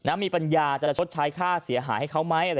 มีปัญญาจะชดใช้ค่าเสียหายให้เขาไหม